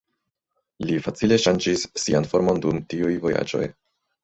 Li facile ŝanĝis sian formon dum tiuj vojaĝoj.